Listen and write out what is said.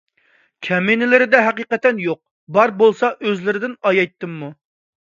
كەمىنىلىرىدە ھەقىقەتەن يوق، بار بولسا ئۆزلىرىدىن ئايايتىممۇ؟